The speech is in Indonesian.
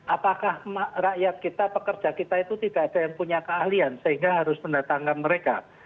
apakah rakyat kita pekerja kita itu tidak ada yang punya keahlian sehingga harus mendatangkan mereka